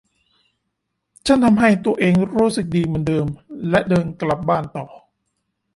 ฉันทำให้ตัวเองรู้สึกดีเหมือนเดิมและเดินกลับบ้านต่อ